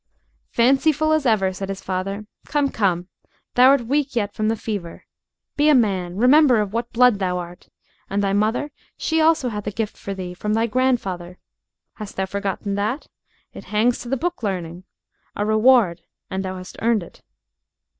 "Fancy full as ever," said his father; "come, come! Thou'rt weak yet from the fever. Be a man. Remember of what blood thou art. And thy mother she also hath a gift for thee from thy grandfather. Hast thou forgotten that? It hangs to the book learning. A reward and thou hast earned it."